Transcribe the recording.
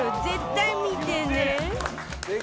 絶対見てね